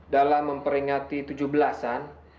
dalam memperingati tujuh belasan